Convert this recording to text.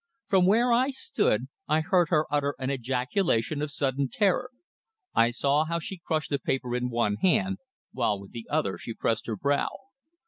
From where I stood I heard her utter an ejaculation of sudden terror. I saw how she crushed the paper in one hand while with the other she pressed her brow.